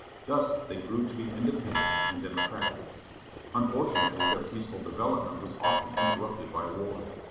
Thus they grew to be independent, and democratic. Unfortunately their peaceful development was often interrupted by war.